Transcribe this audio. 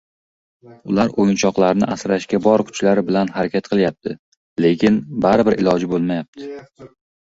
Ular oʻyinchoqlarni asrashga bor kuchlari bilan harakat qilyapti, lekin baribir iloji boʻlmayapti.